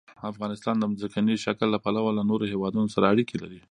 افغانستان د ځمکني شکل له پلوه له نورو هېوادونو سره اړیکې لري.